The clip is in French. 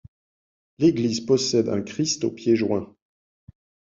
L'église possède un Christ aux pieds joints.